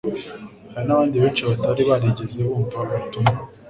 hari n'abandi benshi batari barigeze bumva ubutumwa